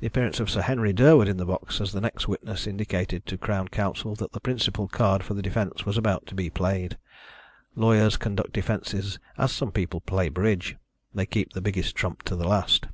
The appearance of Sir Henry Durwood in the box as the next witness indicated to Crown Counsel that the principal card for the defence was about to be played. Lawyers conduct defences as some people play bridge they keep the biggest trump to the last.